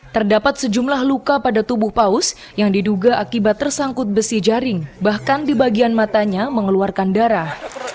terdapat sejumlah luka pada tubuh paus yang diduga akibat tersangkut besi jaring bahkan di bagian matanya mengeluarkan darah